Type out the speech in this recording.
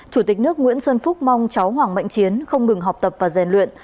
chủ tịch nước nguyễn xuân phúc mong cháu hoàng mạnh chiến không ngừng học tập và rèn luyện